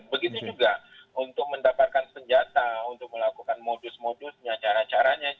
begitu juga untuk mendapatkan senjata untuk melakukan modus modusnya cara caranya